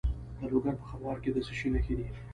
د لوګر په خروار کې د څه شي نښې دي؟